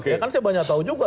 ya kan saya banyak tahu juga